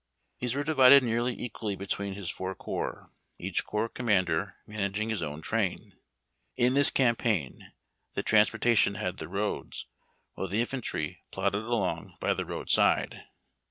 These were divided nearly equally between his four corps, each corps commander managing his own train. In this campaign the transportation had the roads, Avhile the infantry plodded along by the roadside.